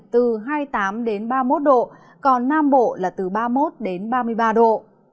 từ hai mươi tám ba mươi một độ còn nam bộ là từ ba mươi một đến ba mươi ba độ